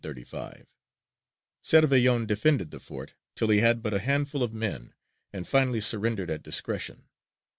Cervellon defended the fort till he had but a handful of men, and finally surrendered at discretion.